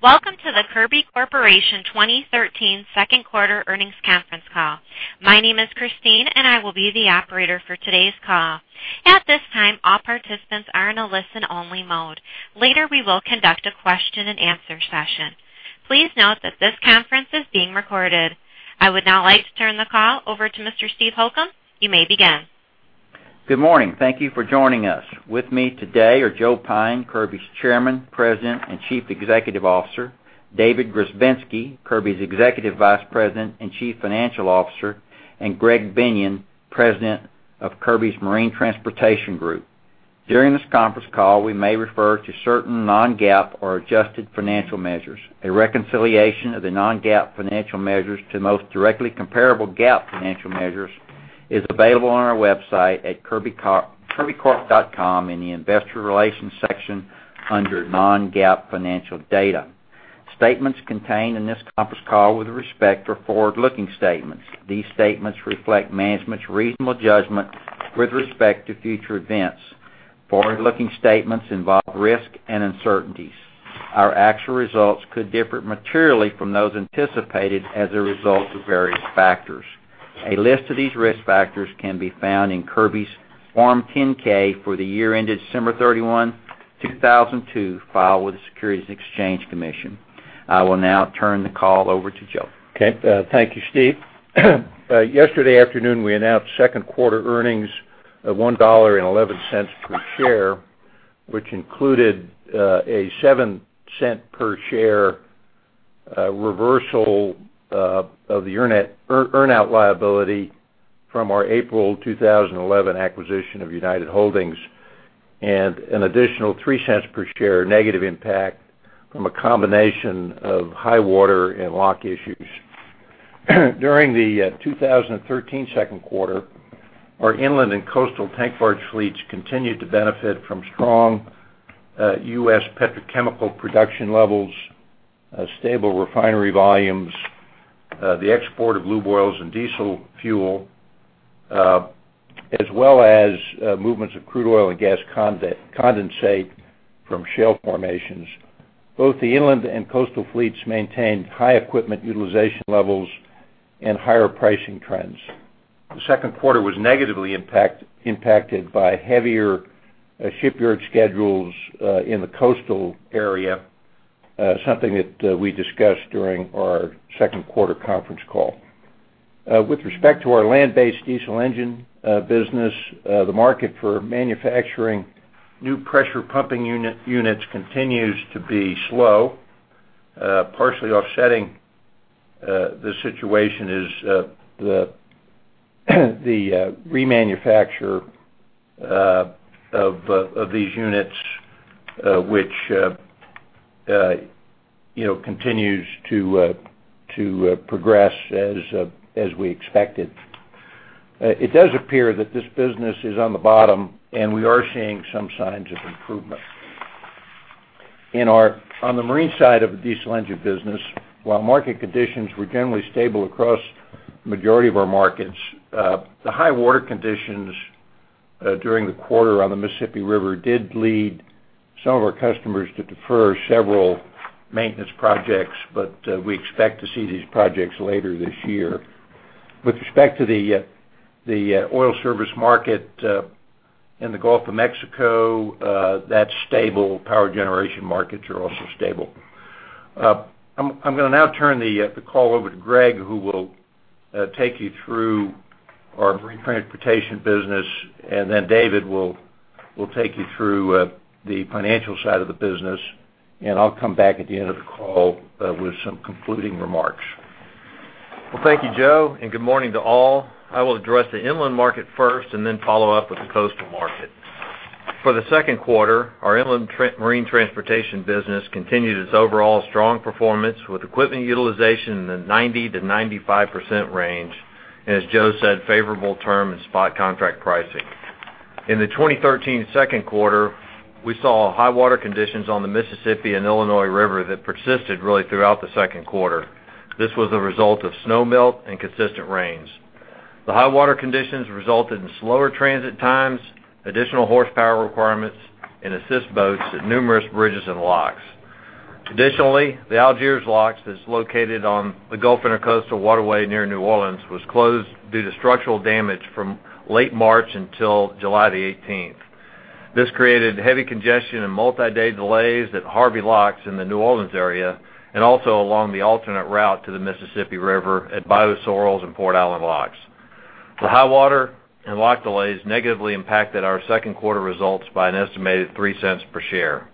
Welcome to the Kirby Corporation 2013 second quarter earnings conference call. My name is Christine, and I will be the operator for today's call. At this time, all participants are in a listen-only mode. Later, we will conduct a question-and-answer session. Please note that this conference is being recorded. I would now like to turn the call over to Mr. Steve Holcomb. You may begin. Good morning. Thank you for joining us. With me today are Joe Pyne, Kirby's Chairman, President, and Chief Executive Officer; David Grzebinski, Kirby's Executive Vice President and Chief Financial Officer; and Greg Binion, President of Kirby's Marine Transportation Group. During this conference call, we may refer to certain non-GAAP or adjusted financial measures. A reconciliation of the non-GAAP financial measures to the most directly comparable GAAP financial measures is available on our website at kirbycorp.com in the Investor Relations section under Non-GAAP Financial Data. Statements contained in this conference call with respect are forward-looking statements. These statements reflect management's reasonable judgment with respect to future events. Forward-looking statements involve risk and uncertainties. Our actual results could differ materially from those anticipated as a result of various factors. A list of these risk factors can be found in Kirby's Form 10-K for the year ended December 31st, 2002, filed with the Securities and Exchange Commission. I will now turn the call over to Joe. Okay. Thank you, Steve. Yesterday afternoon, we announced second quarter earnings of $1.11 per share, which included a $0.07 per share reversal of the earn-out liability from our April 2011 acquisition of United Holdings, and an additional $0.03 per share negative impact from a combination of high water and lock issues. During the 2013 second quarter, our inland and coastal tank barge fleets continued to benefit from strong U.S. petrochemical production levels, stable refinery volumes, the export of lube oils and diesel fuel, as well as movements of crude oil and gas condensate from shale formations. Both the inland and coastal fleets maintained high equipment utilization levels and higher pricing trends. The second quarter was negatively impacted by heavier shipyard schedules in the coastal area, something that we discussed during our second quarter conference call. With respect to our land-based diesel engine business, the market for manufacturing new pressure pumping units continues to be slow. Partially offsetting the situation is the remanufacture of these units, which you know continues to progress as we expected. It does appear that this business is on the bottom, and we are seeing some signs of improvement. On the marine side of the diesel engine business, while market conditions were generally stable across the majority of our markets, the high water conditions during the quarter on the Mississippi River did lead some of our customers to defer several maintenance projects, but we expect to see these projects later this year. With respect to the oil service market in the Gulf of Mexico, that's stable. Power generation markets are also stable. I'm gonna now turn the call over to Greg, who will take you through our marine transportation business, and then David will take you through the financial side of the business, and I'll come back at the end of the call with some concluding remarks. Well, thank you, Joe, and good morning to all. I will address the inland market first and then follow up with the coastal market. For the second quarter, our inland marine transportation business continued its overall strong performance, with equipment utilization in the 90%-95% range, and, as Joe said, favorable term and spot contract pricing. In the 2013 second quarter, we saw high water conditions on the Mississippi River and Illinois River that persisted really throughout the second quarter. This was a result of snow melt and consistent rains. The high water conditions resulted in slower transit times, additional horsepower requirements, and assist boats at numerous bridges and locks. Additionally, the Algiers Lock, that's located on the Gulf Intracoastal Waterway near New Orleans, was closed due to structural damage from late March until July 18th. This created heavy congestion and multi-day delays at Harvey Lock in the New Orleans area, and also along the alternate route to the Mississippi River at Bayou Sorrel Lock and Port Allen Lock. The high water and lock delays negatively impacted our second quarter results by an estimated $0.03 per share.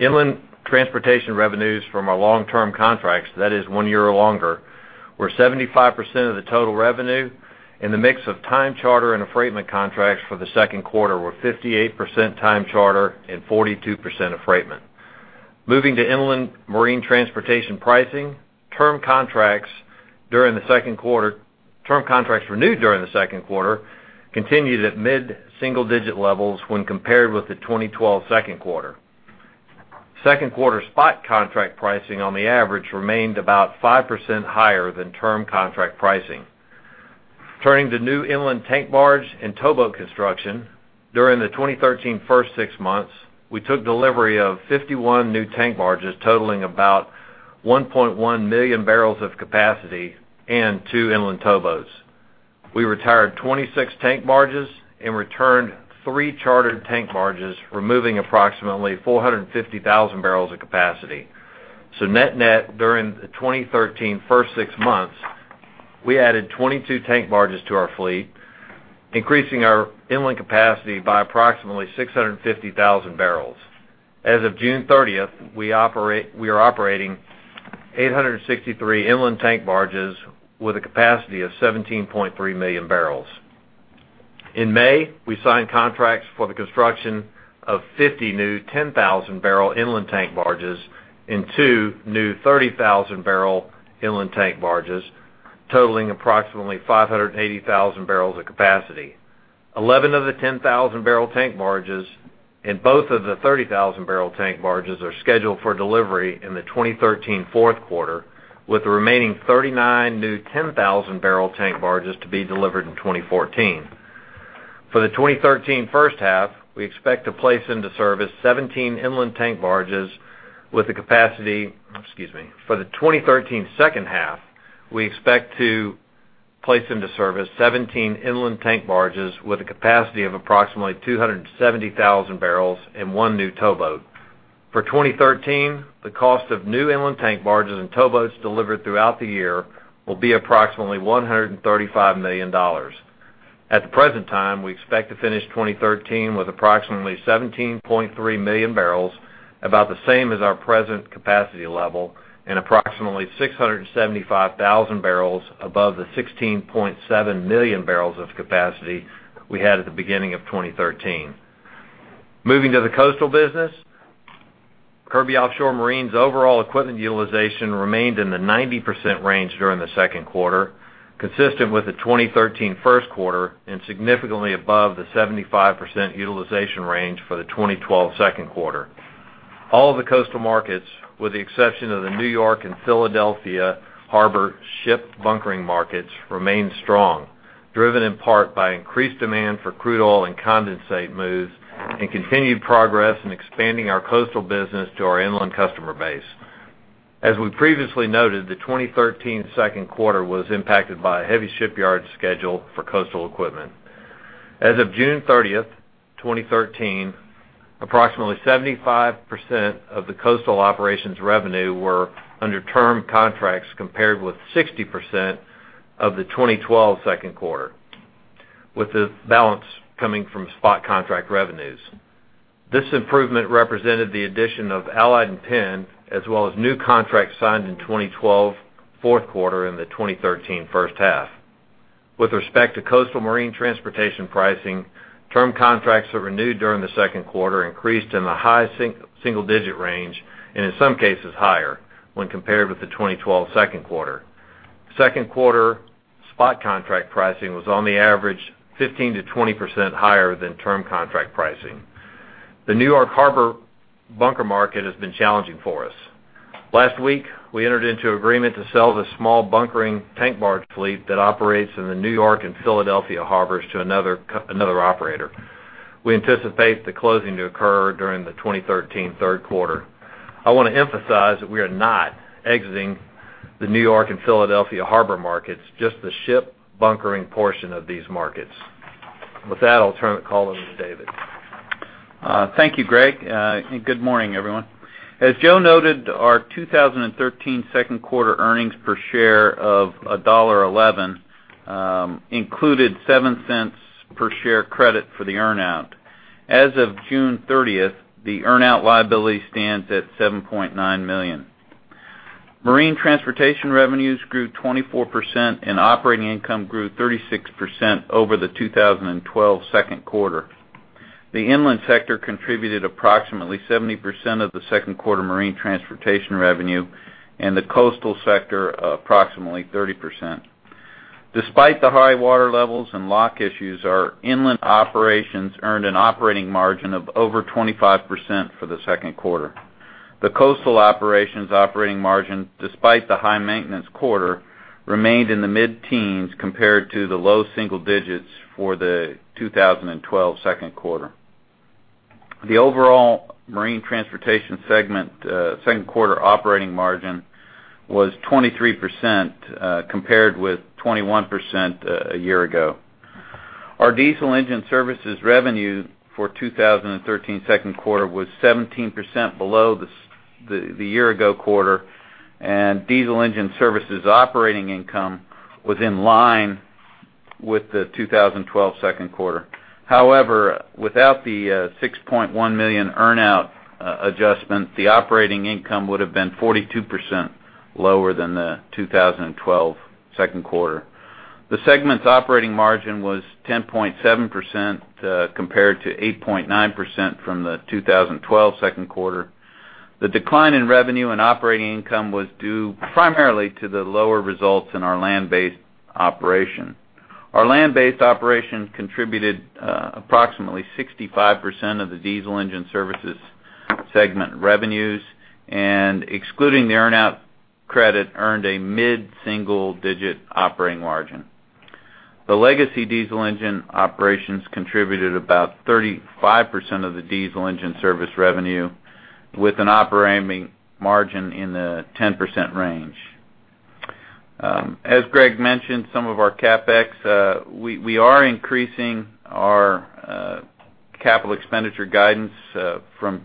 Inland transportation revenues from our long-term contracts, that is one year or longer, were 75% of the total revenue, and the mix of time charter and affreightment contracts for the second quarter were 58% time charter and 42% affreightment. Moving to inland marine transportation pricing, term contracts during the second quarter, term contracts renewed during the second quarter continued at mid-single digit levels when compared with the 2012 second quarter. Second quarter spot contract pricing, on the average, remained about 5% higher than term contract pricing... Turning to new inland tank barge and towboat construction. During the 2013 first six months, we took delivery of 51 new tank barges, totaling about 1.1 million barrels of capacity and 2 inland towboats. We retired 26 tank barges and returned 3 chartered tank barges, removing approximately 450,000 barrels of capacity. So net net, during the 2013 first six months, we added 22 tank barges to our fleet, increasing our inland capacity by approximately 650,000 barrels. As of June 30th, we are operating 863 inland tank barges with a capacity of 17.3 million barrels. In May, we signed contracts for the construction of 50 new 10,000-barrel inland tank barges and 2 new 30,000-barrel inland tank barges, totaling approximately 580,000 barrels of capacity. 11 of the 10,000-barrel tank barges and both of the 30,000-barrel tank barges are scheduled for delivery in the 2013 fourth quarter, with the remaining 39 new 10,000-barrel tank barges to be delivered in 2014. For the 2013 first half, we expect to place into service 17 inland tank barges with a capacity... Excuse me. For the 2013 second half, we expect to place into service 17 inland tank barges with a capacity of approximately 270,000 barrels and 1 new towboat. For 2013, the cost of new inland tank barges and towboats delivered throughout the year will be approximately $135 million. At the present time, we expect to finish 2013 with approximately 17.3 million barrels, about the same as our present capacity level, and approximately 675,000 barrels above the 16.7 million barrels of capacity we had at the beginning of 2013. Moving to the coastal business, Kirby Offshore Marine's overall equipment utilization remained in the 90% range during the second quarter, consistent with the 2013 first quarter and significantly above the 75% utilization range for the 2012 second quarter. All the coastal markets, with the exception of the New York Harbor and Philadelphia Harbor ship bunkering markets, remained strong, driven in part by increased demand for crude oil and condensate moves, and continued progress in expanding our coastal business to our inland customer base. As we previously noted, the 2013 second quarter was impacted by a heavy shipyard schedule for coastal equipment. As of June 30th, 2013, approximately 75% of the coastal operations revenue were under term contracts, compared with 60% of the 2012 second quarter, with the balance coming from spot contract revenues. This improvement represented the addition of Allied and Penn, as well as new contracts signed in 2012 fourth quarter and the 2013 first half. With respect to coastal marine transportation pricing, term contracts that renewed during the second quarter increased in the high single digit range, and in some cases higher when compared with the 2012 second quarter. Second quarter spot contract pricing was on the average 15%-20% higher than term contract pricing. The New York Harbor bunker market has been challenging for us. Last week, we entered into agreement to sell the small bunkering tank barge fleet that operates in the New York and Philadelphia harbors to another operator. We anticipate the closing to occur during the 2013 third quarter. I want to emphasize that we are not exiting the New York Harbor and Philadelphia Harbor markets, just the ship bunkering portion of these markets. With that, I'll turn the call over to David. Thank you, Greg, and good morning, everyone. As Joe noted, our 2013 second quarter earnings per share of $1.11 included $0.07 per share credit for the earn-out. As of June 30, the earn-out liability stands at $7.9 million. Marine transportation revenues grew 24%, and operating income grew 36% over the 2012 second quarter. The inland sector contributed approximately 70% of the second quarter marine transportation revenue, and the coastal sector, approximately 30%. Despite the high water levels and lock issues, our inland operations earned an operating margin of over 25% for the second quarter. The coastal operations operating margin, despite the high maintenance quarter, remained in the mid-teens, compared to the low single digits for the 2012 second quarter. The overall marine transportation segment second quarter operating margin was 23%, compared with 21% a year ago. Our diesel engine services revenue for 2013 second quarter was 17% below the year ago quarter, and diesel engine services operating income was in line with the 2012 second quarter. However, without the $6.1 million earn-out adjustment, the operating income would have been 42% lower than the 2012 second quarter. The segment's operating margin was 10.7%, compared to 8.9% from the 2012 second quarter. The decline in revenue and operating income was due primarily to the lower results in our land-based operation. Our land-based operation contributed approximately 65% of the diesel engine services segment revenues, and excluding the earn-out credit, earned a mid-single-digit operating margin. The legacy diesel engine operations contributed about 35% of the diesel engine service revenue, with an operating margin in the 10% range. As Greg mentioned, some of our CapEx, we are increasing our capital expenditure guidance to $230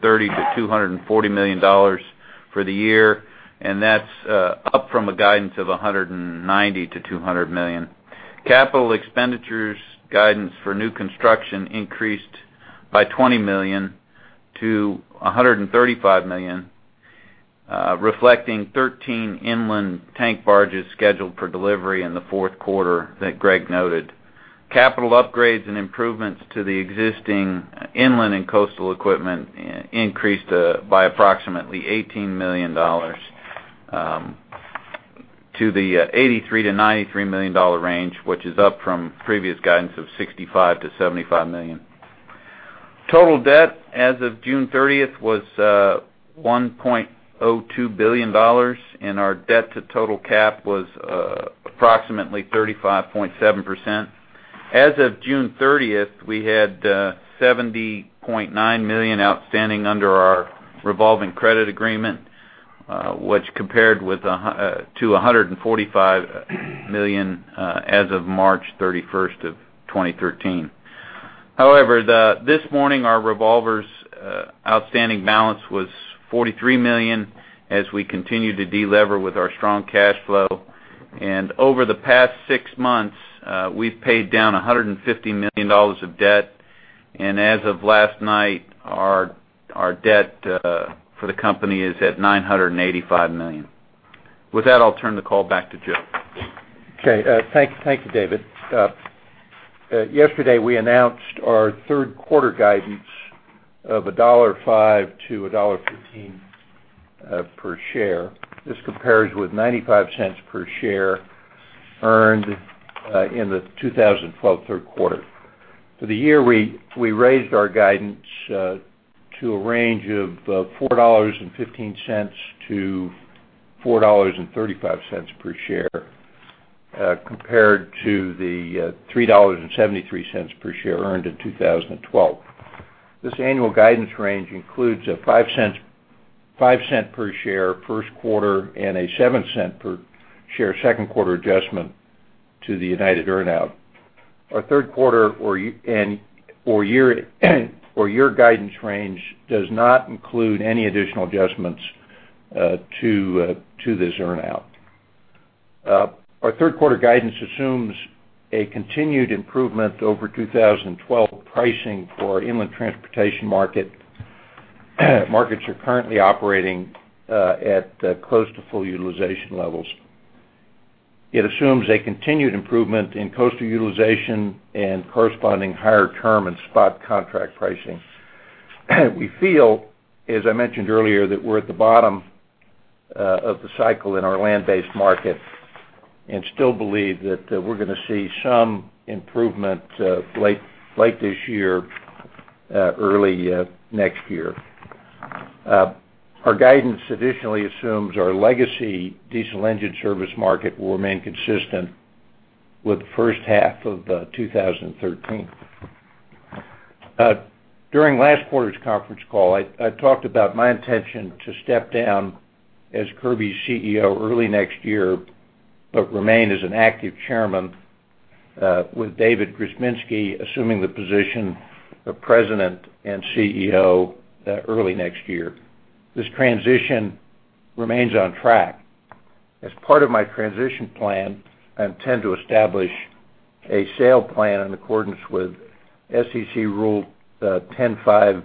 million-$240 million for the year, and that's up from a guidance of $190 million-$200 million. Capital expenditures guidance for new construction increased by $20 million to $135 million, reflecting 13 inland tank barges scheduled for delivery in the fourth quarter that Greg noted. Capital upgrades and improvements to the existing inland and coastal equipment increased by approximately $18 million to the $83 million-$93 million range, which is up from previous guidance of $65 million-$75 million. Total debt as of June 30th was one point oh two billion dollars, and our debt to total cap was approximately thirty-five point seven percent. As of June 30th, we had seventy point nine million outstanding under our revolving credit agreement, which compared to a hundred and forty-five million as of March thirty-first of 2013. However, this morning, our revolver's outstanding balance was forty-three million as we continue to delever with our strong cash flow. And over the past six months, we've paid down a hundred and fifty million dollars of debt, and as of last night, our debt for the company is at nine hundred and eighty-five million. With that, I'll turn the call back to Joe. Okay, thank you. Thank you, David. Yesterday, we announced our third quarter guidance of $1.05-$1.15 per share. This compares with $0.95 per share earned in the 2012 third quarter. For the year, we raised our guidance to a range of $4.15-$4.35 per share, compared to the $3.73 per share earned in 2012. This annual guidance range includes a $0.05 per share first quarter and a $0.07 per share second quarter adjustment to the United earn-out. Our third quarter and year guidance range does not include any additional adjustments to this earn-out. Our third quarter guidance assumes a continued improvement over 2012 pricing for our inland transportation market. Markets are currently operating at close to full utilization levels. It assumes a continued improvement in coastal utilization and corresponding higher term and spot contract pricing. We feel, as I mentioned earlier, that we're at the bottom of the cycle in our land-based market and still believe that we're gonna see some improvement late this year, early next year. Our guidance additionally assumes our legacy diesel engine service market will remain consistent with the first half of 2013. During last quarter's conference call, I talked about my intention to step down as Kirby's CEO early next year, but remain as an active chairman, with David Grzebinski assuming the position of President and CEO, early next year. This transition remains on track. As part of my transition plan, I intend to establish a sale plan in accordance with SEC Rule 10b5-1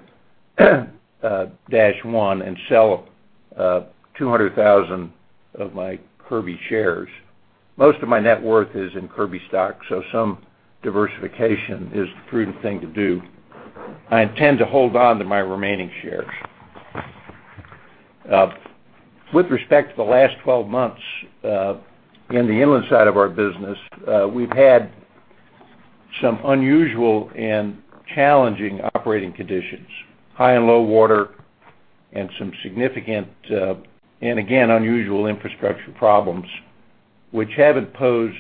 and sell 200,000 of my Kirby shares. Most of my net worth is in Kirby stock, so some diversification is the prudent thing to do. I intend to hold on to my remaining shares. With respect to the last 12 months, in the inland side of our business, we've had some unusual and challenging operating conditions, high and low water, and some significant, and again, unusual infrastructure problems, which have imposed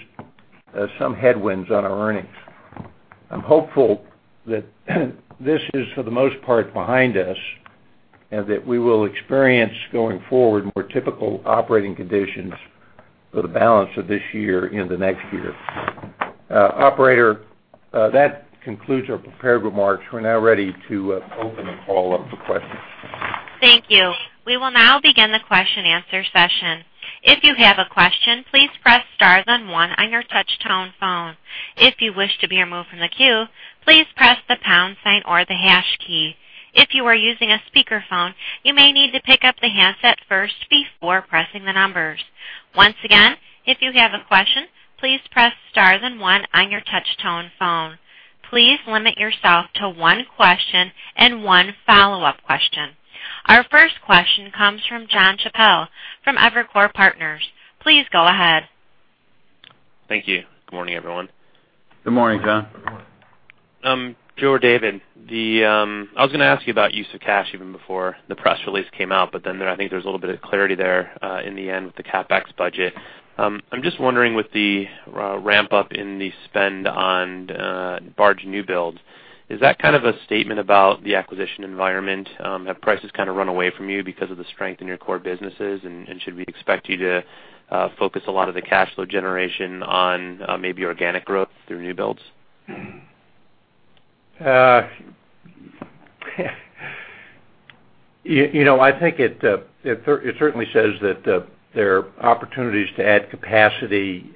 some headwinds on our earnings. I'm hopeful that this is, for the most part, behind us, and that we will experience going forward more typical operating conditions for the balance of this year into next year. Operator, that concludes our prepared remarks. We're now ready to open the call up for questions. Thank you. We will now begin the question-answer session. If you have a question, please press star, then one on your touch tone phone. If you wish to be removed from the queue, please press the pound sign or the hash key. If you are using a speakerphone, you may need to pick up the handset first before pressing the numbers. Once again, if you have a question, please press star then one on your touch tone phone. Please limit yourself to one question and one follow-up question. Our first question comes from John Chappell from Evercore Partners. Please go ahead. ...Thank you. Good morning, everyone. Good morning, John. Joe or David, I was going to ask you about use of cash even before the press release came out, but then I think there's a little bit of clarity there, in the end with the CapEx budget. I'm just wondering, with the ramp up in the spend on barge new builds, is that kind of a statement about the acquisition environment? Have prices kind of run away from you because of the strength in your core businesses, and, and should we expect you to focus a lot of the cash flow generation on maybe organic growth through new builds? You know, I think it certainly says that there are opportunities to add capacity,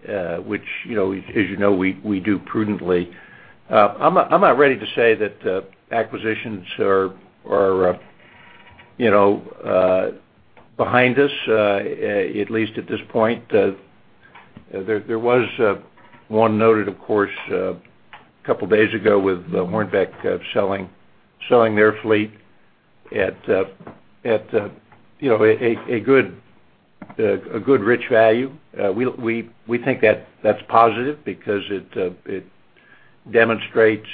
which, you know, as you know, we do prudently. I'm not ready to say that acquisitions are, you know, behind us, at least at this point. There was one noted, of course, a couple days ago with Hornbeck selling their fleet at, you know, a good rich value. We think that that's positive because it demonstrates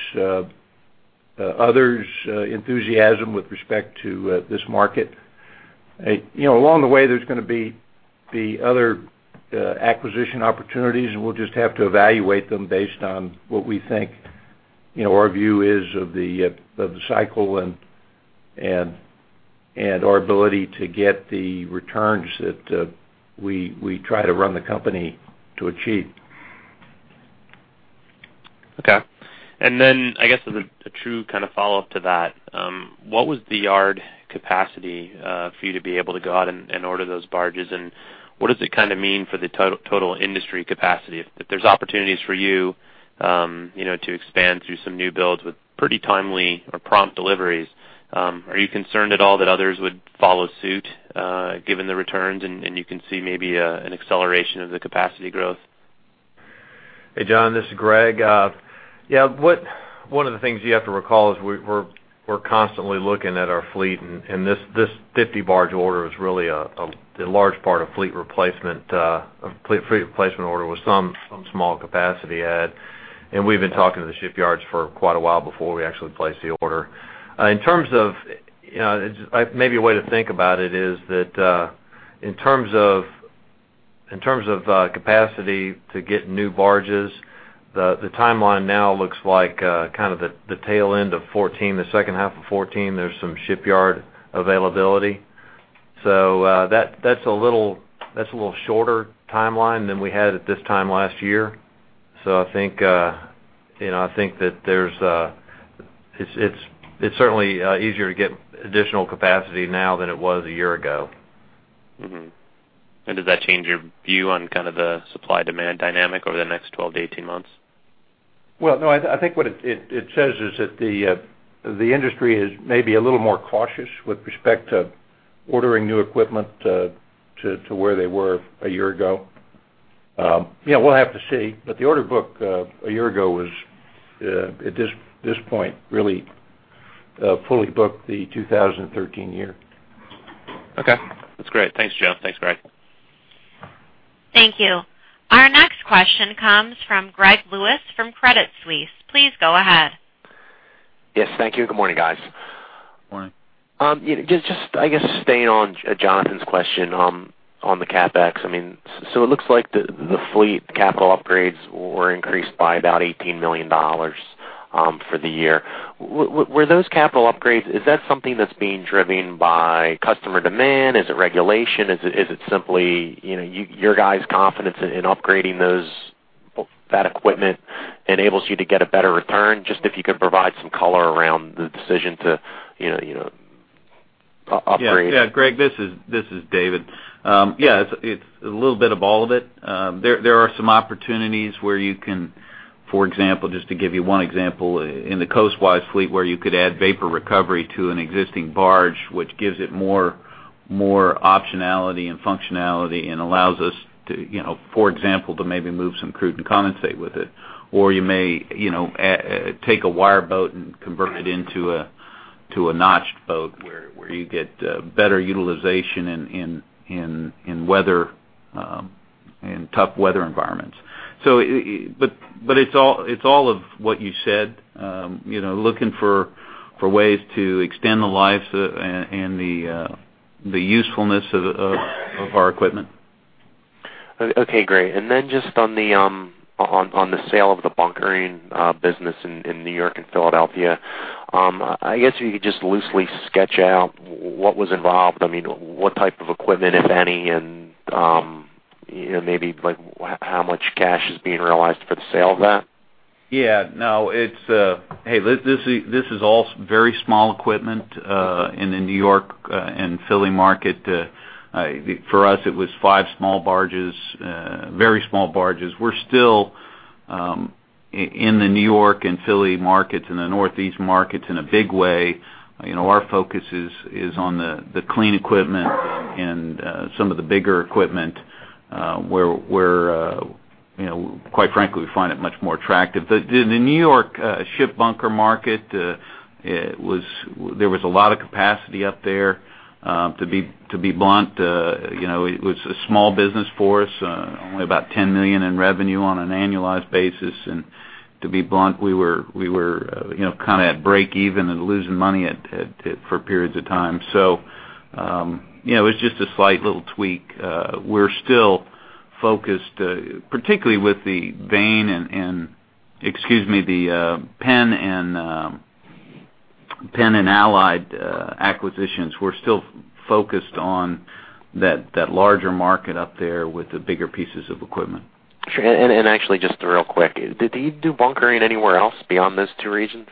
others' enthusiasm with respect to this market. You know, along the way, there's going to be other acquisition opportunities, and we'll just have to evaluate them based on what we think, you know, our view is of the cycle and our ability to get the returns that we try to run the company to achieve. Okay. And then, I guess, as a true kind of follow-up to that, what was the yard capacity for you to be able to go out and order those barges? And what does it kind of mean for the total industry capacity? If there's opportunities for you, you know, to expand through some new builds with pretty timely or prompt deliveries, are you concerned at all that others would follow suit, given the returns, and you can see maybe an acceleration of the capacity growth? Hey, John, this is Greg. One of the things you have to recall is we're constantly looking at our fleet, and this 50 barge order is really a large part of fleet replacement, a fleet replacement order with some small capacity add, and we've been talking to the shipyards for quite a while before we actually placed the order. In terms of, you know, maybe a way to think about it is that, in terms of capacity to get new barges, the timeline now looks like kind of the tail end of 2014, the second half of 2014, there's some shipyard availability. So, that that's a little shorter timeline than we had at this time last year. So I think, you know, I think that it's certainly easier to get additional capacity now than it was a year ago. Mm-hmm. And does that change your view on kind of the supply-demand dynamic over the next 12-18 months? Well, no, I think what it says is that the industry is maybe a little more cautious with respect to ordering new equipment, to where they were a year ago. Yeah, we'll have to see, but the order book a year ago was at this point really fully booked the 2013 year. Okay. That's great. Thanks, Joe. Thanks, Greg. Thank you. Our next question comes from Greg Lewis from Credit Suisse. Please go ahead. Yes, thank you. Good morning, guys. Good morning. Just, I guess, staying on Jonathan's question, on the CapEx. I mean, so it looks like the fleet capital upgrades were increased by about $18 million for the year. Were those capital upgrades, is that something that's being driven by customer demand? Is it regulation? Is it simply, you know, your guys' confidence in upgrading that equipment enables you to get a better return? Just if you could provide some color around the decision to, you know, you know, upgrade. Yeah, yeah, Greg, this is David. Yeah, it's a little bit of all of it. There are some opportunities where you can, for example, just to give you one example, in the coast-wide fleet, where you could add vapor recovery to an existing barge, which gives it more optionality and functionality and allows us to, you know, for example, to maybe move some crude and condensate with it. Or you may, you know, take a wire boat and convert it into a notched boat, where you get better utilization in weather, in tough weather environments. But it's all of what you said, you know, looking for ways to extend the life and the usefulness of our equipment. Okay, great. And then just on the sale of the bunkering business in New York and Philadelphia, I guess you could just loosely sketch out what was involved. I mean, what type of equipment, if any, and, you know, maybe, like, how much cash is being realized for the sale of that? Yeah. No, it's... Hey, this is all very small equipment in the New York and Philly market. For us, it was five small barges, very small barges. We're still in the New York and Philly markets, and the Northeast markets in a big way. You know, our focus is on the clean equipment and some of the bigger equipment, where you know, quite frankly, we find it much more attractive. The New York ship bunker market, it was. There was a lot of capacity up there. To be blunt, you know, it was a small business for us, only about $10 million in revenue on an annualized basis. To be blunt, we were, you know, kind of at break-even and losing money at for periods of time. So, you know, it's just a slight little tweak. We're still focused, particularly with the Bain and, excuse me, the Penn and Allied acquisitions. We're still focused on that larger market up there with the bigger pieces of equipment. Sure. And actually, just real quick, do you do bunkering anywhere else beyond those two regions?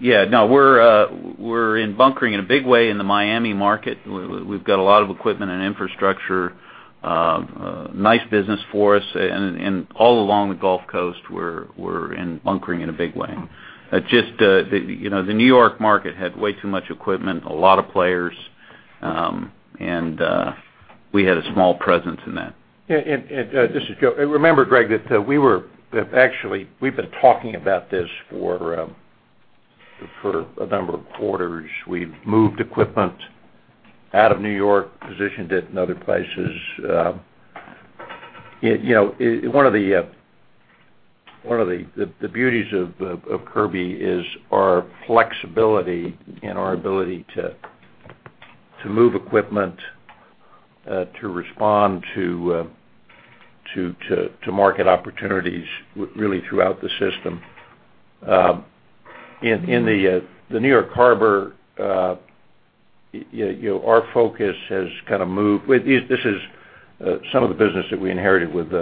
Yeah. No, we're in bunkering in a big way in the Miami market. We've got a lot of equipment and infrastructure, nice business for us. And all along the Gulf Coast, we're in bunkering in a big way. You know, the New York market had way too much equipment, a lot of players, and we had a small presence in that. Yeah, and, and, this is Joe. And remember, Greg, that actually, we've been talking about this for a number of quarters. We've moved equipment out of New York, positioned it in other places. It, you know, one of the beauties of Kirby is our flexibility and our ability to move equipment to respond to market opportunities really throughout the system. In the New York Harbor, you know, our focus has kind of moved. With this, this is some of the business that we inherited with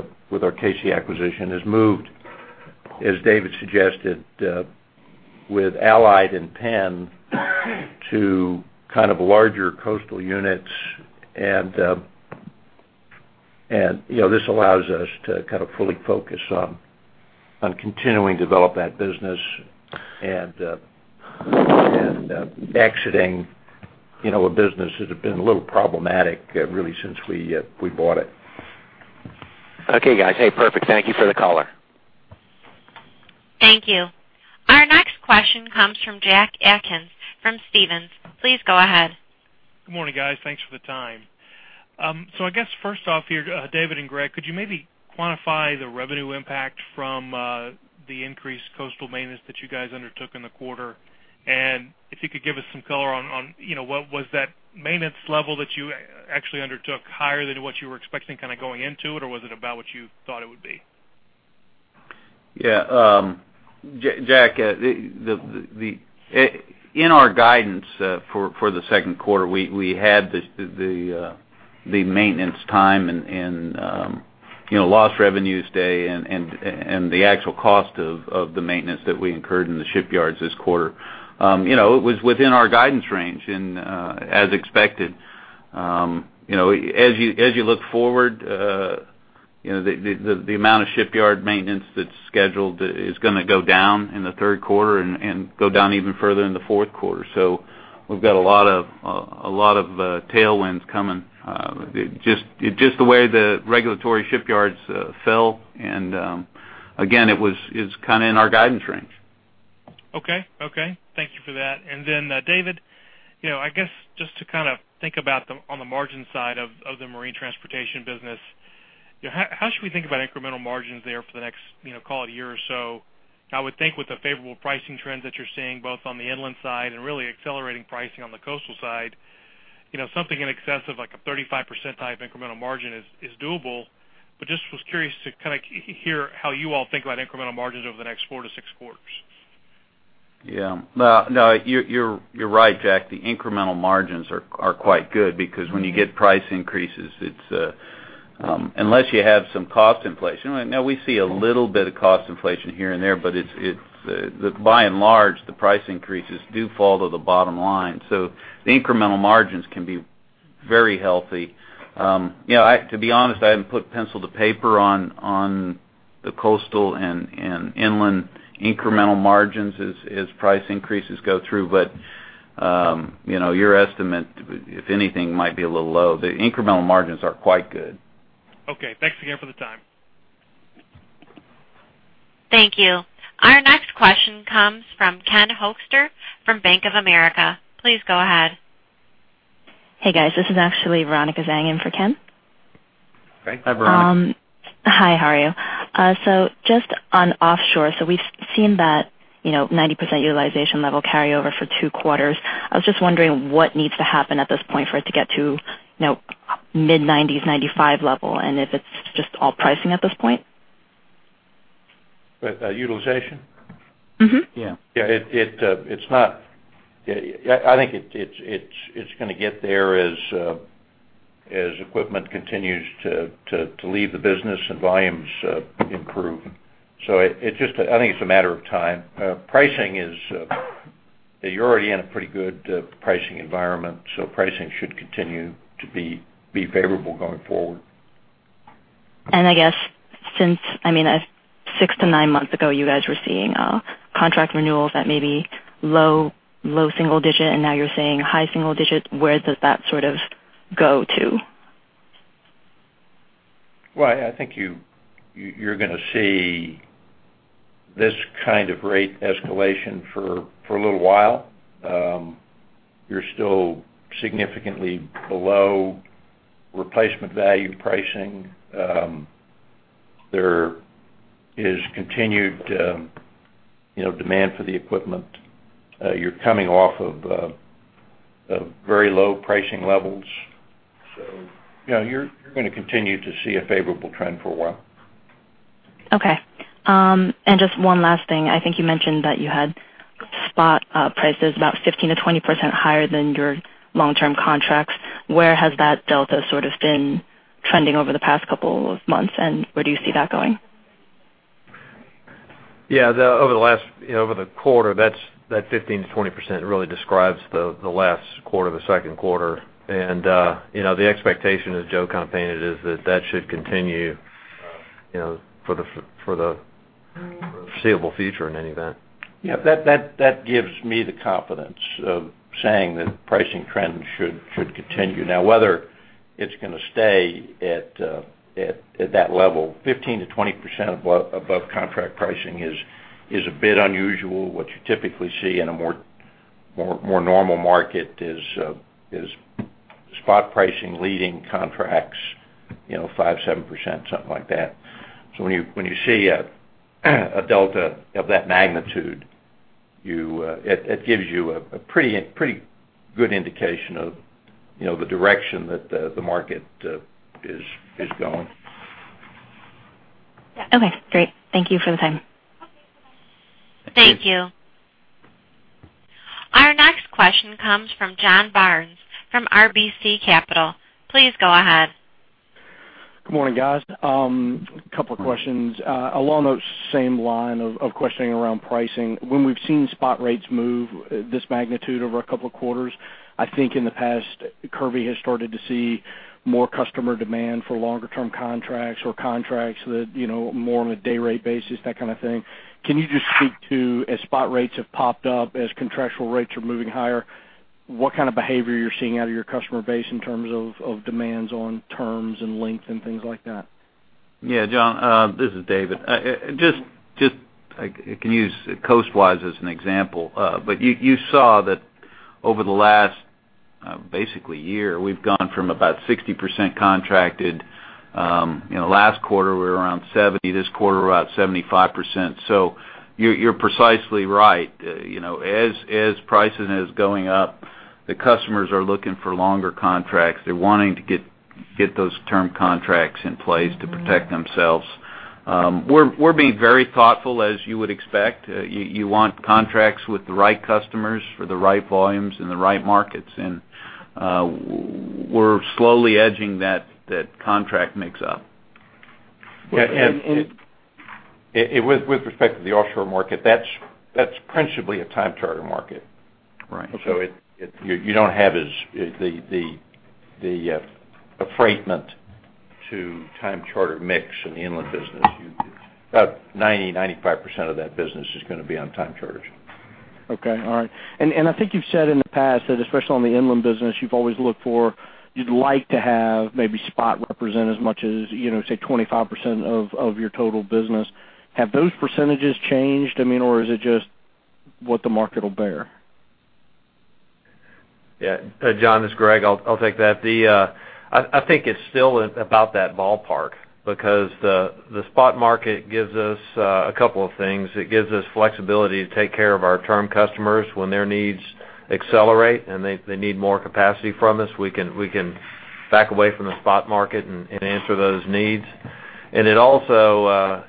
our K-Sea acquisition, has moved, as David suggested, with Allied and Penn, to kind of larger coastal units. You know, this allows us to kind of fully focus on continuing to develop that business and exiting, you know, a business that has been a little problematic, really, since we bought it. Okay, guys. Hey, perfect. Thank you for the caller. Thank you. Our next question comes from Jack Atkins from Stephens. Please go ahead. Good morning, guys. Thanks for the time. So I guess first off here, David and Greg, could you maybe quantify the revenue impact from the increased coastal maintenance that you guys undertook in the quarter? And if you could give us some color on you know, what was that maintenance level that you actually undertook higher than what you were expecting, kind of, going into it, or was it about what you thought it would be? Yeah, Jack, in our guidance for the second quarter, we had the maintenance time and, you know, lost revenue days and the actual cost of the maintenance that we incurred in the shipyards this quarter. You know, it was within our guidance range and as expected. You know, as you look forward, you know, the amount of shipyard maintenance that's scheduled is gonna go down in the third quarter and go down even further in the fourth quarter. So we've got a lot of tailwinds coming. Just the way the regulatory shipyards fell. And again, it was, it's kind of in our guidance range. Okay. Okay, thank you for that. And then, David, you know, I guess just to kind of think about the, on the margin side of, of the marine transportation business, how should we think about incremental margins there for the next, you know, call it a year or so? I would think with the favorable pricing trends that you're seeing, both on the inland side and really accelerating pricing on the coastal side, you know, something in excess of like a 35% type incremental margin is, is doable. But just was curious to kind of hear how you all think about incremental margins over the next four to six quarters. Yeah. No, no, you're right, Jack. The incremental margins are quite good because when you get price increases, it's unless you have some cost inflation. Now we see a little bit of cost inflation here and there, but it's by and large, the price increases do fall to the bottom line. So the incremental margins can be very healthy. You know, to be honest, I haven't put pencil to paper on the coastal and inland incremental margins as price increases go through. But you know, your estimate, if anything, might be a little low. The incremental margins are quite good. Okay. Thanks again for the time. Thank you. Our next question comes from Ken Hoexter from Bank of America. Please go ahead. Hey, guys. This is actually Veronica Zhang in for Ken. Great. Hi, Veronica. Hi, how are you? So just on offshore, so we've seen that, you know, 90% utilization level carry over for two quarters. I was just wondering what needs to happen at this point for it to get to, you know, mid-90s, 95 level, and if it's just all pricing at this point? Uh, utilization? Mm-hmm. Yeah. Yeah, I think it's gonna get there as equipment continues to leave the business and volumes improve. So it's just a matter of time, I think. Pricing is, you're already in a pretty good pricing environment, so pricing should continue to be favorable going forward. I guess since, I mean, 6-9 months ago, you guys were seeing contract renewals that may be low single digit, and now you're saying high single digits. Where does that sort of go to? Well, I think you're gonna see this kind of rate escalation for a little while. You're still significantly below replacement value pricing. There is continued, you know, demand for the equipment. You're coming off of very low pricing levels. So, you know, you're gonna continue to see a favorable trend for a while. Okay. Just one last thing. I think you mentioned that you had spot prices about 15%-20% higher than your long-term contracts. Where has that delta sort of been trending over the past couple of months, and where do you see that going? Yeah, over the last, you know, over the quarter, that's that 15%-20% really describes the last quarter, the second quarter. And, you know, the expectation, as Joe kind of painted, is that that should continue, you know, for the foreseeable future in any event. Yeah, that gives me the confidence of saying that pricing trends should continue. Now, whether it's gonna stay at that level, 15%-20% above contract pricing is a bit unusual. What you typically see in a more normal market is spot pricing leading contracts, you know, 5%-7%, something like that. So when you see a delta of that magnitude, it gives you a pretty good indication of, you know, the direction that the market is going. Okay, great. Thank you for the time. Thank you. Our next question comes from John Barnes from RBC Capital. Please go ahead. Good morning, guys. A couple of questions. Along those same line of questioning around pricing. When we've seen spot rates move this magnitude over a couple of quarters, I think in the past, Kirby has started to see more customer demand for longer term contracts or contracts that, you know, more on a day rate basis, that kind of thing. Can you just speak to, as spot rates have popped up, as contractual rates are moving higher, what kind of behavior you're seeing out of your customer base in terms of demands on terms and lengths and things like that? Yeah, John, this is David. I can use Coastwise as an example. But you saw that over the last basically year, we've gone from about 60% contracted, you know, last quarter, we were around 70%. This quarter, we're about 75%. So you're precisely right. You know, as pricing is going up, the customers are looking for longer contracts. They're wanting to get those term contracts in place to protect themselves. We're being very thoughtful, as you would expect. You want contracts with the right customers for the right volumes in the right markets, and we're slowly edging that contract mix up. Yeah, and with respect to the offshore market, that's principally a time charter market. Right. So you don't have the affreightment to time charter mix in the inland business. About 95% of that business is gonna be on time charters. Okay. All right. And I think you've said in the past that, especially on the inland business, you've always looked for—you'd like to have maybe spot represent as much as, you know, say, 25% of your total business. Have those percentages changed, I mean, or is it just what the market will bear? Yeah. John, this is Greg. I'll take that. I think it's still about that ballpark because the spot market gives us a couple of things. It gives us flexibility to take care of our term customers when their needs accelerate, and they need more capacity from us, we can back away from the spot market and answer those needs. And it also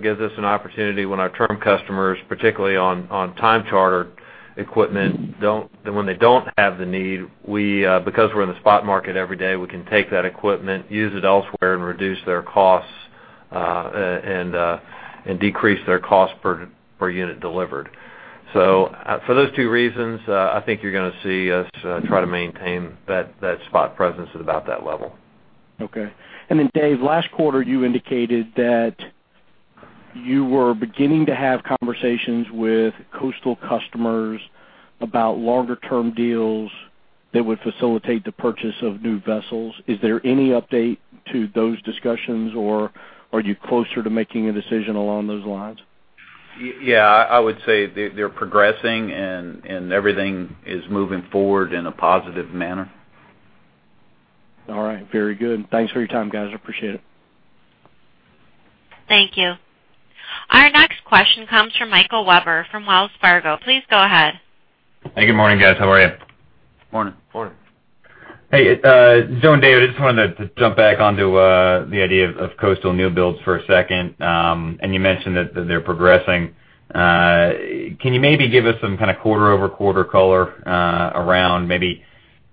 gives us an opportunity when our term customers, particularly on time charter equipment, don't—when they don't have the need, because we're in the spot market every day, we can take that equipment, use it elsewhere, and reduce their costs, and decrease their cost per unit delivered. So, for those two reasons, I think you're gonna see us try to maintain that, that spot presence at about that level. Okay. And then, Dave, last quarter, you indicated that you were beginning to have conversations with coastal customers about longer-term deals that would facilitate the purchase of new vessels. Is there any update to those discussions, or are you closer to making a decision along those lines? Yeah, I would say they're progressing and everything is moving forward in a positive manner. All right. Very good. Thanks for your time, guys. I appreciate it. Thank you. Our next question comes from Michael Webber from Wells Fargo. Please go ahead. Hey, good morning, guys. How are you? Morning. Morning. Hey, Joe and David, I just wanted to jump back onto the idea of coastal new builds for a second. And you mentioned that they're progressing. Can you maybe give us some kind of quarter-over-quarter color around maybe,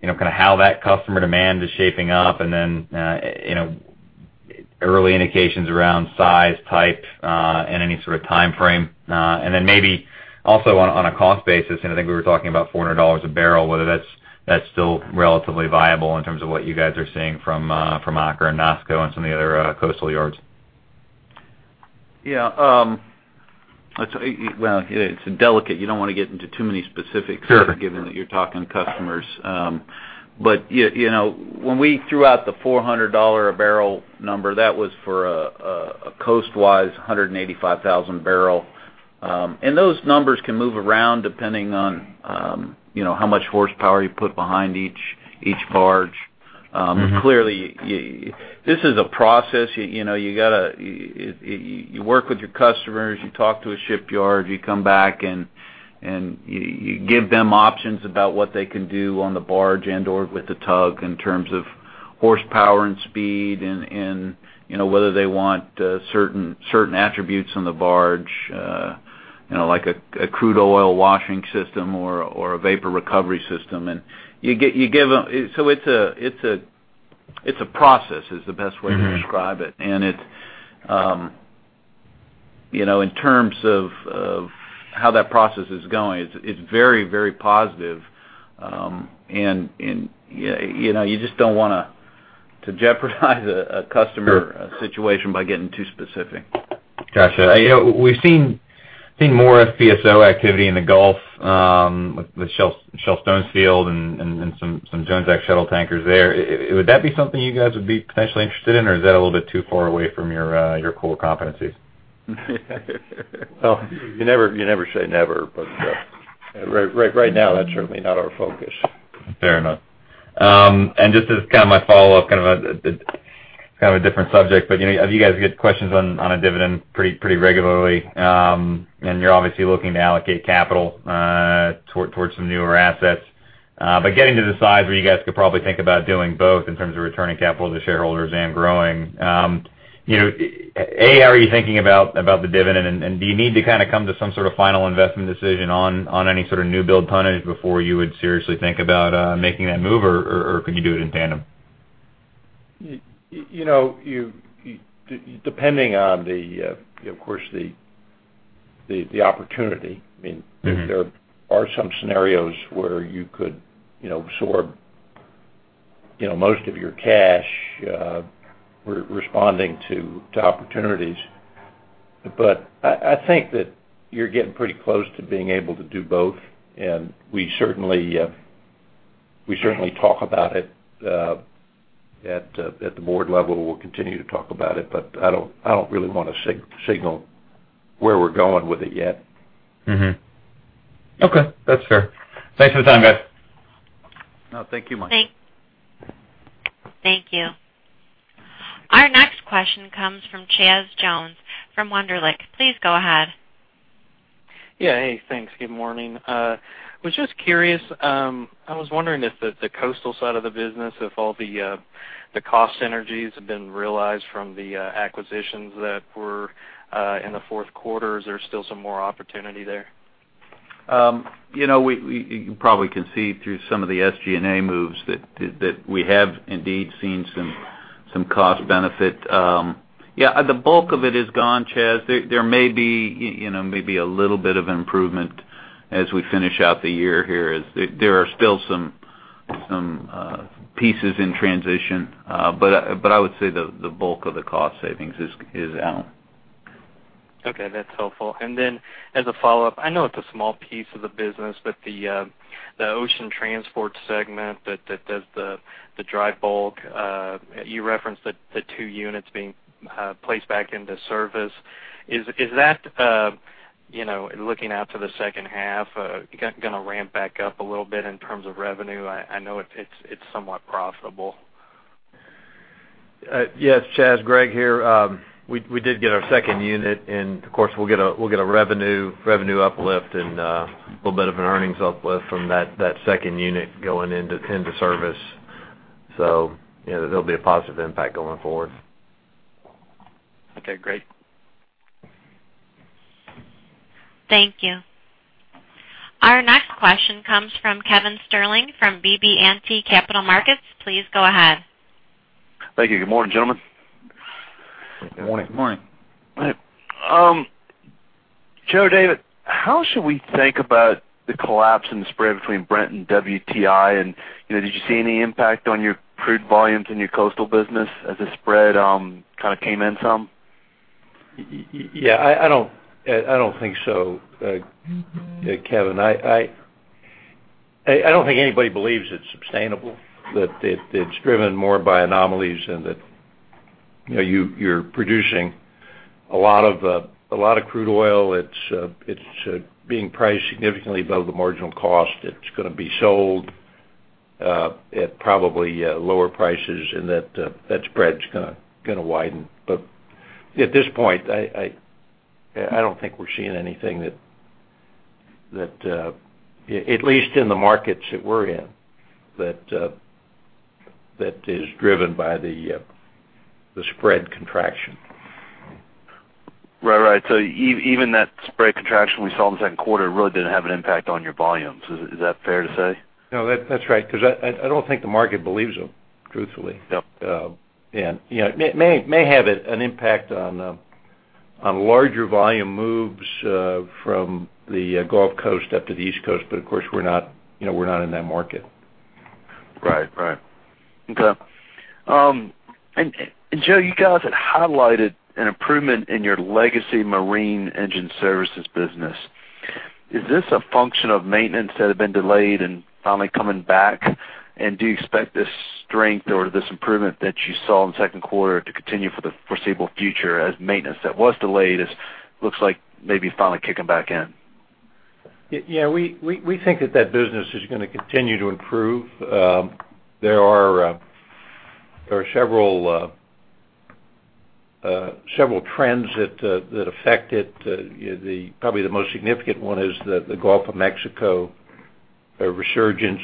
you know, kind of how that customer demand is shaping up? And then, you know, early indications around size, type, and any sort of time frame. And then maybe also on a cost basis, and I think we were talking about $400 a barrel, whether that's still relatively viable in terms of what you guys are seeing from Aker and NASSCO and some of the other coastal yards.... Yeah, it's delicate. You don't want to get into too many specifics- Sure. - given that you're talking to customers. But yeah, you know, when we threw out the $400 a barrel number, that was for a coastwise 185,000-barrel. And those numbers can move around depending on, you know, how much horsepower you put behind each barge. Mm-hmm. Clearly, this is a process, you know. You got to work with your customers, you talk to a shipyard, you come back and you give them options about what they can do on the barge and/or with the tug in terms of horsepower and speed, and you know, whether they want certain attributes on the barge, you know, like a crude oil washing system or a vapor recovery system. So it's a process, is the best way to describe it. Mm-hmm. It's, you know, in terms of how that process is going, it's very, very positive. You know, you just don't want to jeopardize a customer- Sure - situation by getting too specific. Got you. You know, we've seen more FPSO activity in the Gulf with the Shell Stones field and some Jones Act shuttle tankers there. Would that be something you guys would be potentially interested in, or is that a little bit too far away from your core competencies? Well, you never, you never say never, but, right, right now, that's certainly not our focus. Fair enough. And just as kind of my follow-up, kind of a different subject, but you know, have you guys get questions on a dividend pretty regularly, and you're obviously looking to allocate capital toward some newer assets. But getting to the size where you guys could probably think about doing both in terms of returning capital to shareholders and growing. You know, are you thinking about the dividend? And do you need to kind of come to some sort of final investment decision on any sort of new build tonnage before you would seriously think about making that move? Or can you do it in tandem? You know, depending on the opportunity. Mm-hmm. I mean, there are some scenarios where you could, you know, absorb, you know, most of your cash, responding to opportunities. But I think that you're getting pretty close to being able to do both, and we certainly talk about it at the board level. We'll continue to talk about it, but I don't really want to signal where we're going with it yet. Mm-hmm. Okay. That's fair. Thanks for the time, guys. No, thank you, Mike. Thank you. Our next question comes from Chaz Jones from Wunderlich. Please go ahead. Yeah. Hey, thanks. Good morning. I was just curious. I was wondering if the coastal side of the business, if all the cost synergies have been realized from the acquisitions that were in the fourth quarter, is there still some more opportunity there? You know, we—you probably can see through some of the SG&A moves that we have indeed seen some cost benefit. Yeah, the bulk of it is gone, Chaz. There may be, you know, maybe a little bit of improvement as we finish out the year here. There are still some pieces in transition, but I would say the bulk of the cost savings is out. Okay, that's helpful. And then, as a follow-up, I know it's a small piece of the business, but the ocean transport segment that does the dry bulk, you referenced the two units being placed back into service. Is that, you know, looking out to the second half, gonna ramp back up a little bit in terms of revenue? I know it's somewhat profitable. Yes, Chaz, Greg here. We did get our second unit, and of course, we'll get a revenue uplift and a little bit of an earnings uplift from that second unit going into service. So you know, there'll be a positive impact going forward. Okay, great. Thank you. Our next question comes from Kevin Sterling, from BB&T Capital Markets. Please go ahead. Thank you. Good morning, gentlemen. Good morning. Good morning. Joe, David, how should we think about the collapse in the spread between Brent and WTI? And, you know, did you see any impact on your crude volumes in your coastal business as the spread, kind of came in some? Yeah, I don't think so, Kevin. I don't think anybody believes it's sustainable, that it's driven more by anomalies and that, you know, you're producing a lot of crude oil. It's being priced significantly above the marginal cost. It's gonna be sold at probably lower prices, and that spread is gonna widen. But at this point, I don't think we're seeing anything that at least in the markets that we're in, that is driven by the spread contraction. Right, right. So even that spread contraction we saw in the second quarter really didn't have an impact on your volumes. Is that fair to say? No, that's right, because I don't think the market believes it, truthfully. Yep. You know, it may have an impact on larger volume moves from the Gulf Coast up to the East Coast, but of course, we're not, you know, we're not in that market.... Right, right. Okay. And Joe, you guys had highlighted an improvement in your legacy marine engine services business. Is this a function of maintenance that had been delayed and finally coming back? And do you expect this strength or this improvement that you saw in the second quarter to continue for the foreseeable future as maintenance that was delayed is, looks like maybe finally kicking back in? Yeah, yeah. We think that that business is gonna continue to improve. There are several trends that affect it. Probably the most significant one is that the Gulf of Mexico, a resurgence,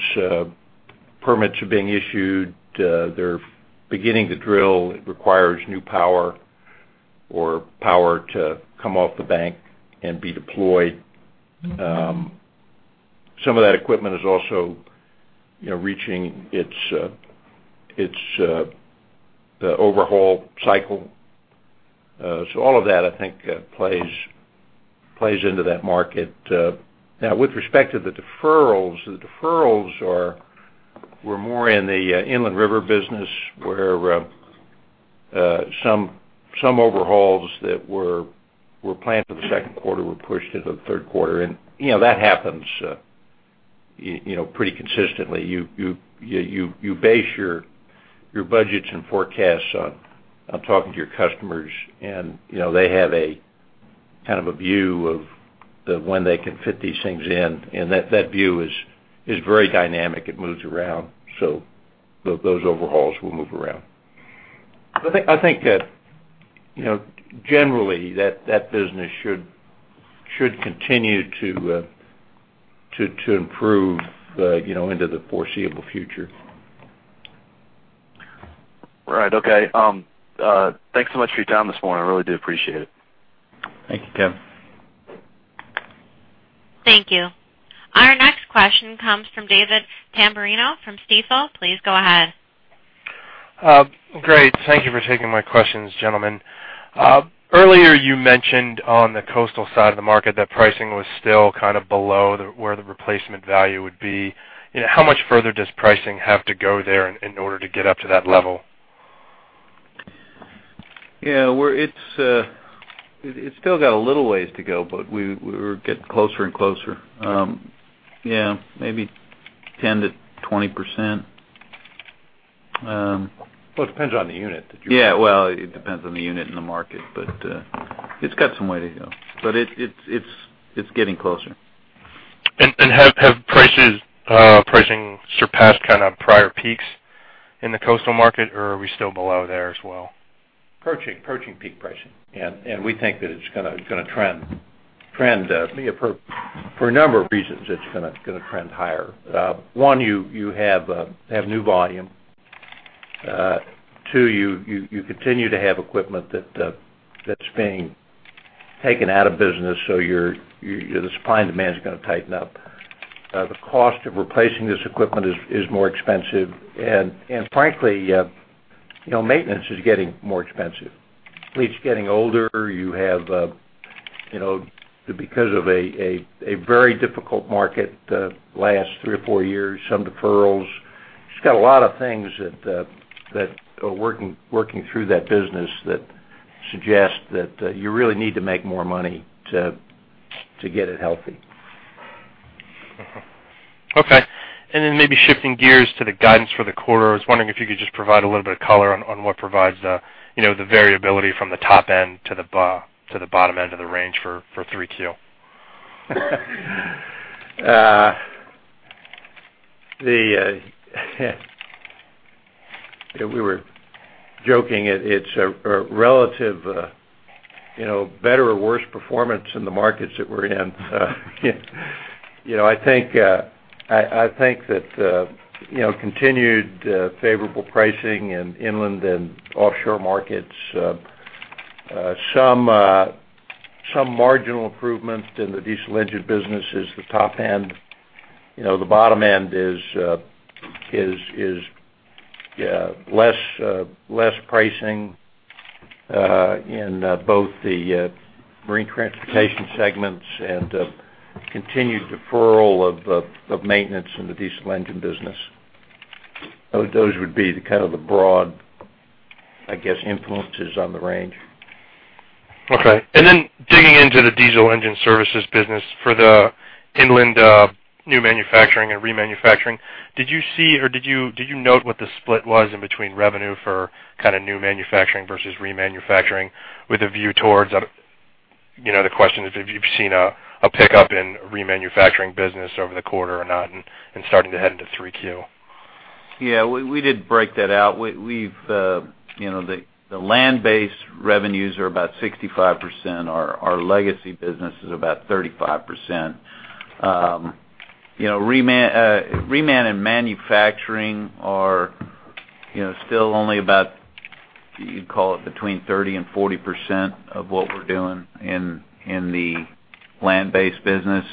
permits are being issued. They're beginning to drill. It requires new power or power to come off the bank and be deployed. Some of that equipment is also, you know, reaching its overhaul cycle. So all of that, I think, plays into that market. Now, with respect to the deferrals, the deferrals were more in the inland river business, where some overhauls that were planned for the second quarter were pushed into the third quarter, and, you know, that happens, you know, pretty consistently. You base your budgets and forecasts on talking to your customers, and you know, they have a kind of a view of when they can fit these things in, and that view is very dynamic. It moves around, so those overhauls will move around. I think you know, generally, that business should continue to improve you know, into the foreseeable future. Right. Okay. Thanks so much for your time this morning. I really do appreciate it. Thank you, Kevin. Thank you. Our next question comes from David Tamburino from Stifel. Please go ahead. Great. Thank you for taking my questions, gentlemen. Earlier, you mentioned on the coastal side of the market, that pricing was still kind of below the, where the replacement value would be. You know, how much further does pricing have to go there in order to get up to that level? Yeah, it's still got a little ways to go, but we're getting closer and closer. Yeah, maybe 10%-20%. Well, it depends on the unit. Yeah, well, it depends on the unit and the market, but it's got some way to go, but it's getting closer. And have prices, pricing surpassed kind of prior peaks in the coastal market, or are we still below there as well? Approaching peak pricing, and we think that it's gonna trend for a number of reasons, it's gonna trend higher. One, you have new volume. Two, you continue to have equipment that's being taken out of business, so the supply and demand is gonna tighten up. The cost of replacing this equipment is more expensive, and frankly, you know, maintenance is getting more expensive. Fleet's getting older. You have, you know, because of a very difficult market the last three or four years, some deferrals. It's got a lot of things that are working through that business that suggest that you really need to make more money to get it healthy. Mm-hmm. Okay, and then maybe shifting gears to the guidance for the quarter. I was wondering if you could just provide a little bit of color on what provides the, you know, the variability from the top end to the bottom end of the range for 3Q? We were joking. It's a relative, you know, better or worse performance in the markets that we're in. You know, I think I think that you know, continued favorable pricing in inland and offshore markets, some marginal improvements in the diesel engine business is the top end. You know, the bottom end is less pricing in both the marine transportation segments and continued deferral of maintenance in the diesel engine business. Those would be the kind of the broad, I guess, influences on the range. Okay. And then digging into the diesel engine services business for the inland, new manufacturing and remanufacturing, did you see, or did you, did you note what the split was in between revenue for kind of new manufacturing versus remanufacturing, with a view towards, you know, the question is, if you've seen a pickup in remanufacturing business over the quarter or not, and starting to head into 3Q? Yeah, we did break that out. We've, you know, the land-based revenues are about 65%. Our legacy business is about 35%. You know, reman and manufacturing are, you know, still only about, you'd call it, between 30% and 40% of what we're doing in the land-based business.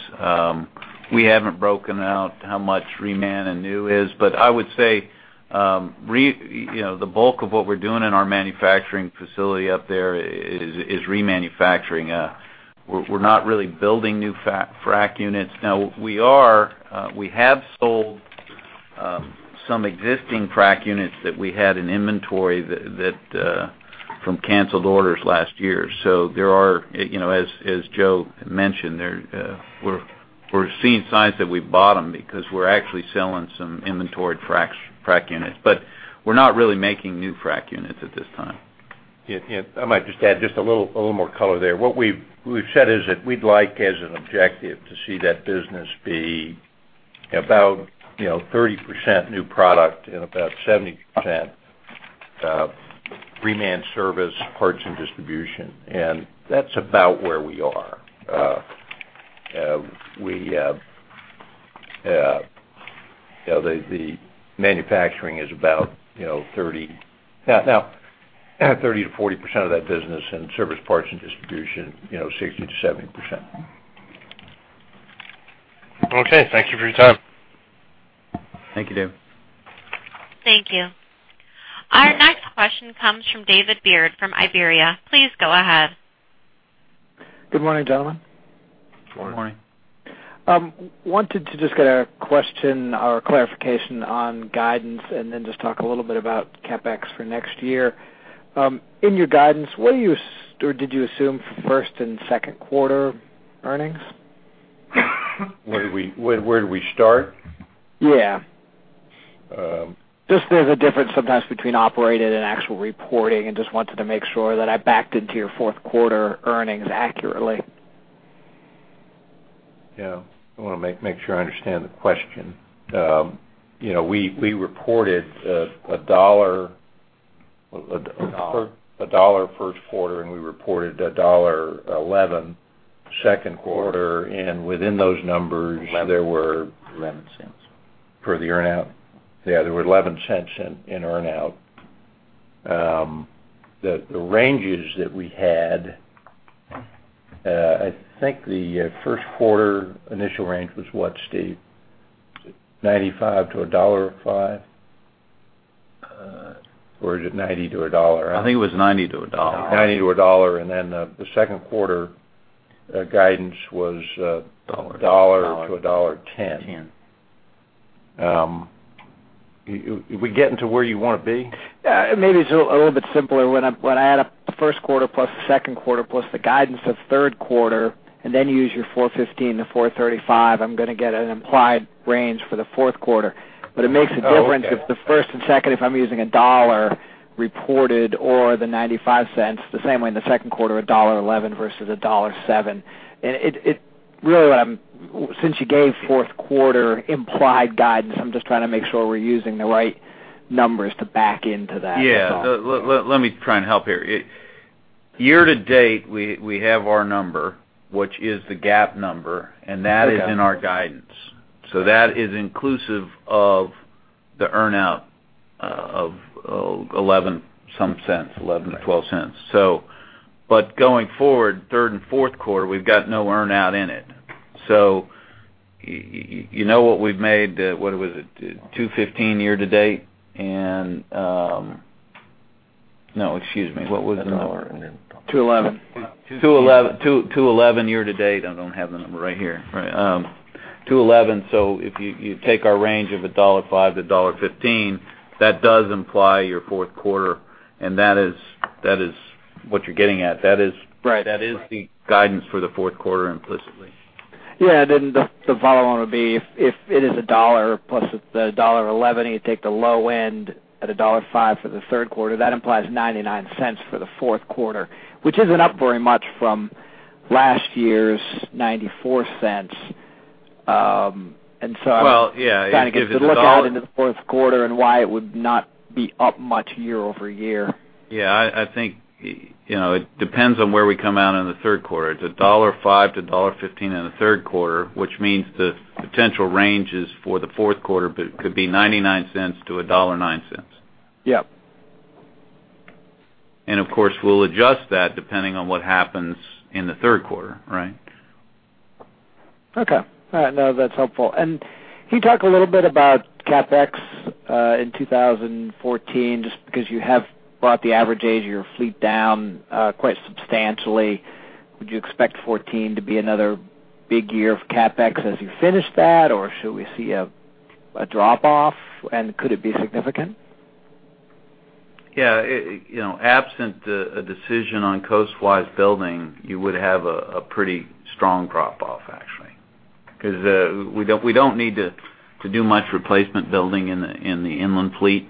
We haven't broken out how much reman and new is, but I would say-... you know, the bulk of what we're doing in our manufacturing facility up there is remanufacturing. We're not really building new frac units. Now, we are, we have sold some existing frac units that we had in inventory that from canceled orders last year. So there are, you know, as Joe mentioned, there, we're seeing signs that we've bottomed because we're actually selling some inventory frac units. But we're not really making new frac units at this time. Yeah, and I might just add just a little, a little more color there. What we've said is that we'd like, as an objective, to see that business be about, you know, 30% new product and about 70%, remand service, parts, and distribution, and that's about where we are. You know, the manufacturing is about, you know, thirty, now, 30%-40% of that business and service parts and distribution, you know, 60%-70%. Okay. Thank you for your time. Thank you, Dave. Thank you. Our next question comes from David Beard from Iberia. Please go ahead. Good morning, gentlemen. Good morning. Morning. Wanted to just get a question or clarification on guidance and then just talk a little bit about CapEx for next year. In your guidance, what are you, or did you assume for first and second quarter earnings? Where did we start? Yeah. Um. Just, there's a difference sometimes between operated and actual reporting, and just wanted to make sure that I backed into your fourth quarter earnings accurately. Yeah. I wanna make sure I understand the question. You know, we reported $1.00 first quarter, and we reported $1.11 second quarter, and within those numbers- Eleven. -there were- $0.11. For the earn-out. Yeah, there were $0.11 in earn-out. The ranges that we had, I think the first quarter initial range was what, Steve? $0.95-$1.05, or was it $0.90-$1.00? I think it was 90 to a dollar. $0.90-$1, and then, the second quarter guidance was, A dollar. $1-$1.10. Ten. You, are we getting to where you wanna be? Maybe it's a little bit simpler. When I add up the first quarter, plus the second quarter, plus the guidance of third quarter, and then use your $4.15-$4.35, I'm gonna get an implied range for the fourth quarter. Oh, okay. But it makes a difference if the first and second, if I'm using $1 reported or $0.95, the same way in the second quarter, $1.11 versus $1.07. And it really, what I'm... Since you gave fourth quarter implied guidance, I'm just trying to make sure we're using the right numbers to back into that. Yeah. Let me try and help here. Year to date, we have our number, which is the GAAP number, and that- Okay. -is in our guidance. So that is inclusive of the earn-out of $0.11-some, $0.11-$0.12. So, but going forward, third and fourth quarter, we've got no earn-out in it. So you know what we've made, what was it? $2.15 year to date, and... No, excuse me. What was the number? $2.11. $2.11 year to date. I don't have the number right here. Right. $2.11. So if you, you take our range of $1.05-$1.15, that does imply your fourth quarter, and that is, that is what you're getting at. That is- Right. That is the guidance for the fourth quarter, implicitly. Yeah, then the follow-on would be, if it is $1 + $1.11, you take the low end at $1.05 for the third quarter, that implies $0.99 for the fourth quarter, which isn't up very much from last year's $0.94. And so- Well, yeah, if it's a dollar- kind of get a good look out into the fourth quarter and why it would not be up much year-over-year. Yeah, I think, you know, it depends on where we come out in the third quarter. It's $1.05-$1.15 in the third quarter, which means the potential ranges for the fourth quarter, but could be $0.99-$1.09. Yep. Of course, we'll adjust that depending on what happens in the third quarter, right? Okay. No, that's helpful. And can you talk a little bit about CapEx in 2014, just because you have brought the average age of your fleet down quite substantially. Would you expect 2014 to be another big year of CapEx as you finish that, or should we see a drop-off, and could it be significant? Yeah, it, you know, absent a decision on coastwise building, you would have a pretty strong drop-off, actually. Because we don't need to do much replacement building in the inland fleet.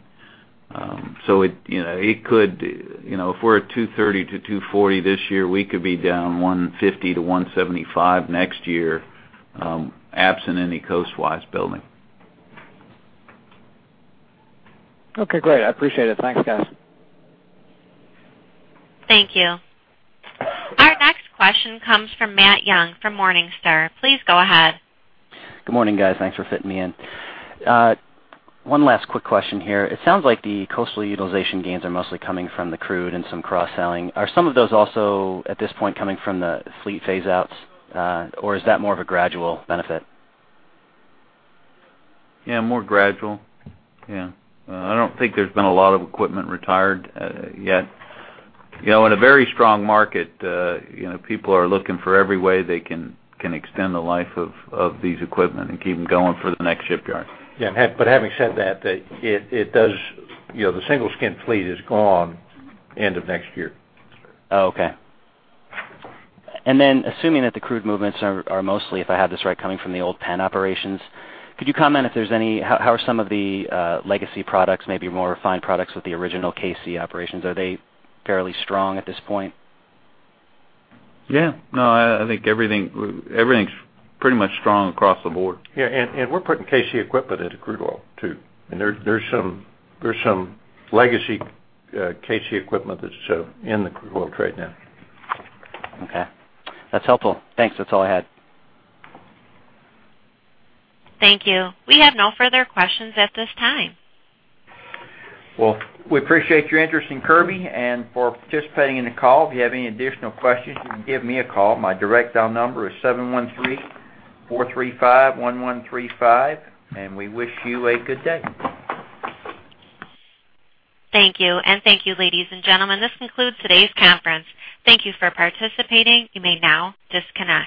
So it, you know, it could, you know, if we're at 230-240 this year, we could be down $150 million-$175 million next year, absent any coastwise building. Okay, great. I appreciate it. Thanks, guys. Thank you. Our next question comes from Matt Young, from Morningstar. Please go ahead. Good morning, guys. Thanks for fitting me in. One last quick question here. It sounds like the coastal utilization gains are mostly coming from the crude and some cross-selling. Are some of those also, at this point, coming from the fleet phase outs, or is that more of a gradual benefit? Yeah, more gradual. Yeah. I don't think there's been a lot of equipment retired yet. You know, in a very strong market, you know, people are looking for every way they can extend the life of these equipment and keep them going for the next shipyard. Yeah, but having said that, it does. You know, the single-skin fleet is gone end of next year. Oh, okay. And then assuming that the crude movements are mostly, if I have this right, coming from the old Penn operations, could you comment if there's any—how are some of the legacy products, maybe more refined products with the original K-Sea operations, are they fairly strong at this point? Yeah. No, I think everything's pretty much strong across the board. Yeah, and we're putting K-Sea equipment into crude oil, too. And there's some legacy K-Sea equipment that's in the crude oil trade now. Okay. That's helpful. Thanks. That's all I had. Thank you. We have no further questions at this time. Well, we appreciate your interest in Kirby and for participating in the call. If you have any additional questions, you can give me a call. My direct dial number is 713-435-1135, and we wish you a good day. Thank you. Thank you, ladies and gentlemen. This concludes today's conference. Thank you for participating. You may now disconnect.